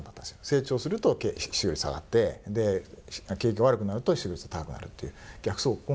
成長すると失業率、下がって景気が悪くなると失業率高くなるっていう逆相関。